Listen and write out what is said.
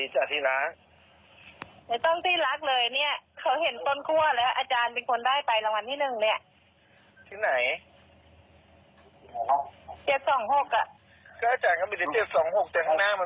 เจ้าเห็นอาจารย์เดินอยู่ข้างหน้ามดินน้ำนะวันนี้ไปกันมา